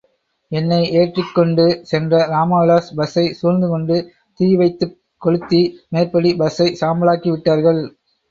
என்னை ஏற்றிக் கொண்டு சென்ற இராமவிலாஸ் பஸ்ஸை சூழ்ந்துகொண்டு தீ வைத்துக் கொளுத்தி மேற்படி பஸ்ஸை சாம்பலாக்கி விட்டார்கள்.